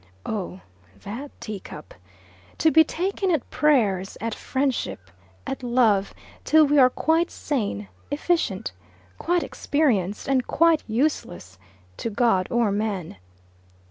Oh, that teacup! To be taken at prayers, at friendship, at love, till we are quite sane, efficient, quite experienced, and quite useless to God or man.